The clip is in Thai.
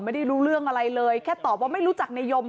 ไม่ได้รู้เรื่องอะไรเลยแค่ตอบว่าไม่รู้จักในยม